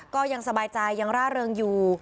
ก็ยังสบายใจยังร่าเริงอยู่